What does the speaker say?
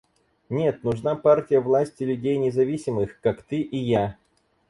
Нет, нужна партия власти людей независимых, как ты и я.